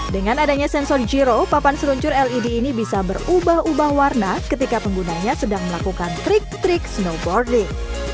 dengan adanya sensor giro papan seluncur led ini bisa berubah ubah warna ketika penggunanya sedang melakukan trik trik snowboarding